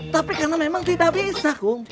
tapi karena memang tidak bisa kung